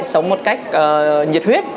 sống một cách nhiệt huyết